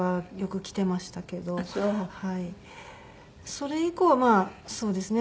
それ以降はそうですね。